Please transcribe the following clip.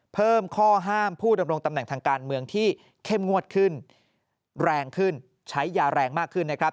เพิ่มข้อห้ามผู้ดำรงตำแหน่งทางการเมืองที่เข้มงวดขึ้นแรงขึ้นใช้ยาแรงมากขึ้นนะครับ